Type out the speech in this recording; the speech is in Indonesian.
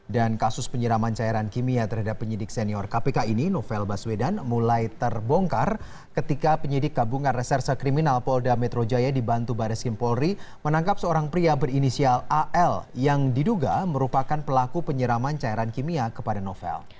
dan kasus penyiraman cairan kimia terhadap penyidik senior kpk ini novel baswedan mulai terbongkar ketika penyidik kabungan reserse kriminal polda metro jaya dibantu baris kim polri menangkap seorang pria berinisial al yang diduga merupakan pelaku penyiraman cairan kimia kepada novel